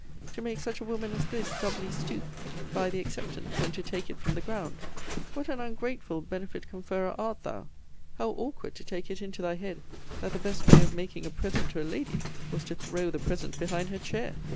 To make such a woman as this doubly stoop by the acceptance, and to take it from the ground! What an ungrateful benefit conferrer art thou! How awkward, to take in into thy head, that the best way of making a present to a lady was to throw the present behind her chair!